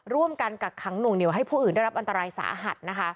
ร่วมกันกักขังหนูเหนียวให้ผู้อื่นได้รับอันตรายสาหัส